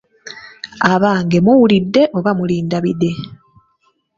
Abange muwulidde oba mulinda bide?